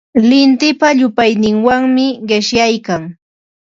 Lintipa llupayninwanmi qishyaykan.